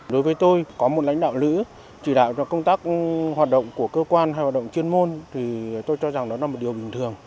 đối với tôi có một lãnh đạo nữ chỉ đạo cho công tác hoạt động của cơ quan hay hoạt động chuyên môn thì tôi cho rằng đó là một điều bình thường